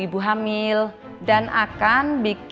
ini juga mampu meredakan nyeri otot panggul